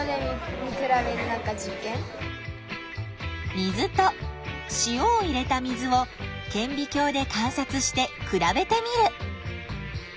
水と塩を入れた水をけんび鏡で観察して比べてみる。